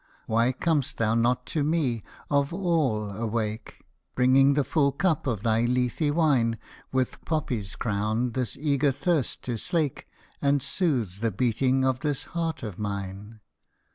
Why com'st thou not to me, of all, awake, Bringing the full cup of thy Lethe wine, With poppies crowned, this eager thirst to slake, And soothe the beating of this heart of mine.